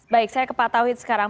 baik saya ke pak tauhid sekarang